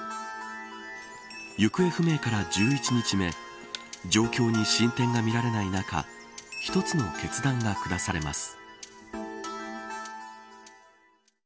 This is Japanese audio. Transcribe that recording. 行方不明から１１日目状況に進展が見られない中一つの決断がくだされます。